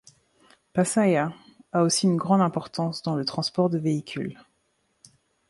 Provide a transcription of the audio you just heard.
Pasaia a aussi une grande importance dans le transport de véhicules.